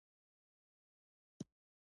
بزګان د افغانستان د جغرافیې یوه ښه بېلګه ده.